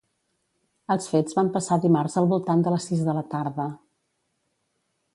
Els fets van passar dimarts al voltant de les sis de la tarda.